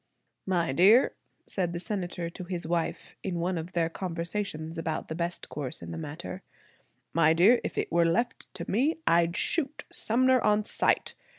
"My dear," said the Senator to his wife in one of their conversations about the best course in the matter, "My dear, if it were left to me, I'd shoot Sumner on sight.